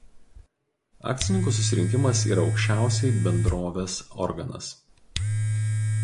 Akcininkų susirinkimas yra aukščiausiai bendrovės organas.